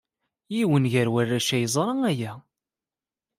Yiwen ser warrac-a yeẓra aya.